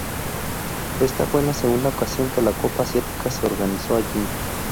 Esta fue la segunda ocasión que la Copa Asiática se organizó allí.